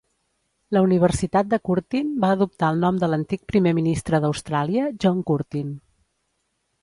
La Universitat de Curtin va adoptar el nom de l'antic primer ministre d'Austràlia, John Curtin.